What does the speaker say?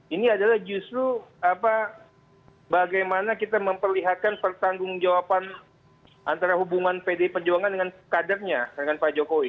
ini adalah justru bagaimana kita memperlihatkan pertanggung jawaban antara hubungan pdi perjuangan dengan kadernya dengan pak jokowi